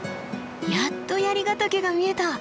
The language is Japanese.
やっと槍ヶ岳が見えた！